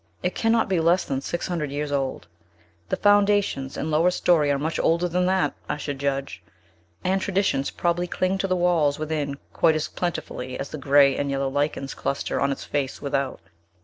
It cannot be less than six hundred years old; the foundations and lower story are much older than that, I should judge; and traditions probably cling to the walls within quite as plentifully as the gray and yellow lichens cluster on its face without."